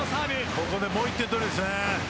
ここでもう１本取りたいですね。